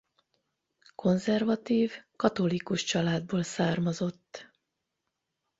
Konzervatív katolikus családból származott.